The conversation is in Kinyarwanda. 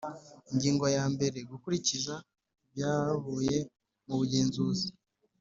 Ingingo ya mbere Gukurikiza ibyavuye mu bugenzuzi